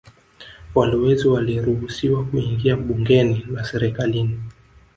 Walowezi waliruhusiwa kuingia bungeni na serikalini